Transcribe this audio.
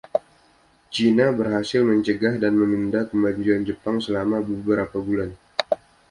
China berhasil mencegah dan menunda kemajuan Jepang selama beberapa bulan.